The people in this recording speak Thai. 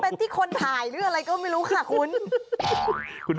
เป็นที่คนถ่ายหรืออะไรก็ไม่รู้ค่ะคุณ